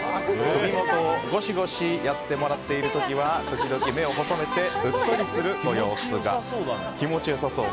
首元をゴシゴシやってもらっているときは時々、目を細めてうっとりする様子が気持ち良さそう！